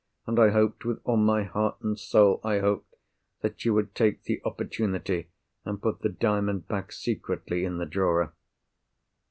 And I hoped—with all my heart and soul I hoped!—that you would take the opportunity, and put the Diamond back secretly in the drawer."